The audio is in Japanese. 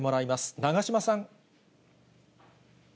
永島さん。